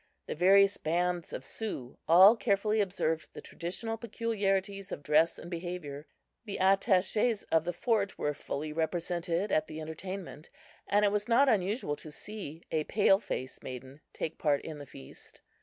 The various bands of Sioux all carefully observed the traditional peculiarities of dress and behavior. The attaches of the fort were fully represented at the entertainment, and it was not unusual to see a pale face maiden take part in the feast.